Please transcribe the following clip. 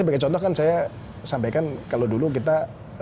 sebagai contoh kan saya sampaikan kalau dulu kita